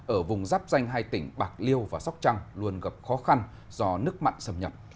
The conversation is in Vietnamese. ở vùng giáp danh hai tỉnh bạc liêu và sóc trăng luôn gặp khó khăn do nước mặn xâm nhập